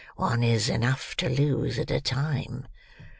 One is enough to lose at a time."